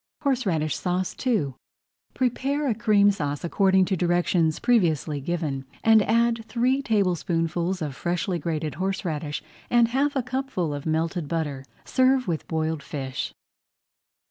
HORSERADISH SAUCE II Prepare a Cream Sauce according to directions previously given, and add three tablespoonfuls of freshly grated horseradish and half a cupful of melted butter. Serve with boiled fish.